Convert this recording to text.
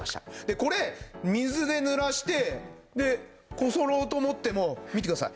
これ水でぬらしてこすろうと思っても見てください。